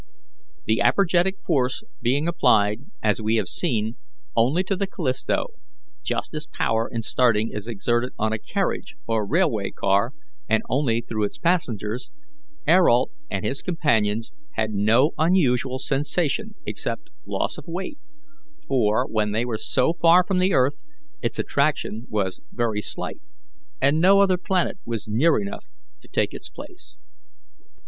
The apergetic force being applied, as we have seen, only to the Callisto, just as power in starting is exerted on a carriage or railway car and only through it to the passengers, Ayrault and his companions had no unusual sensation except loss of weight, for, when they were so far from the earth, its attraction was very slight, and no other planet was near enough to take its place.